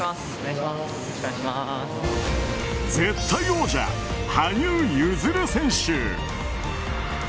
絶対王者・羽生結弦選手。